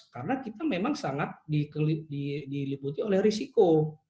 karena kita memang sangat diliputi oleh risiko